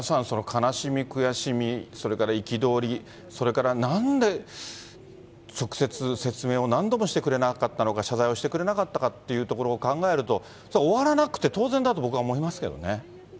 悲しみ悔しみ、憤り、それからなんで、直接説明を何度もしてくれなかったのか、謝罪をしてくれなかったかというところを考えると、それは終わらなくて当然だと僕は思いますね。